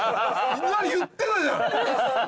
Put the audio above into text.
言ってたじゃん。